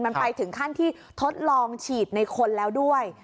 มันไปถึงขั้นที่ทดลองฉีดในคนแล้วด้วย